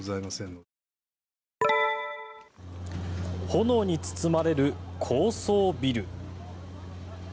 炎に包まれる高層ビル。